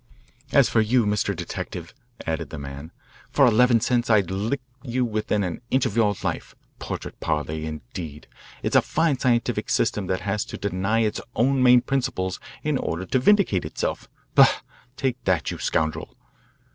"As for you, Mr. Detective," added the man, "for eleven cents I'd lick you to within an inch of your life. 'Portrait parle,' indeed! It's a fine scientific system that has to deny its own main principles in order to vindicate itself. Bah! Take that, you scoundrel!